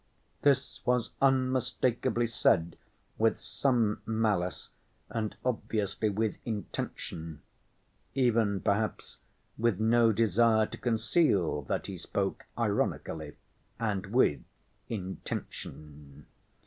This was unmistakably said with some malice and obviously with intention; even perhaps with no desire to conceal that he spoke ironically and with intention.